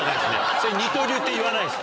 それ二刀流って言わないです。